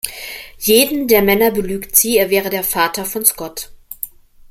Jeden der Männer belügt sie, er wäre der Vater von Scott.